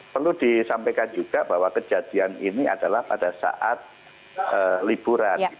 perlu disampaikan juga bahwa kejadian ini adalah pada saat liburan